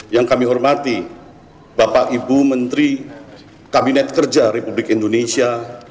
yang kami hormati bapak ibu menteri kabinet kerja republik indonesia